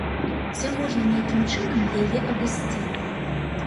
Ці можна нейкім чынам яе абысці?